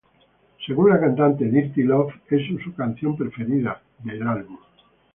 Según la cantante, "Dirty Love" es su canción preferida del álbum.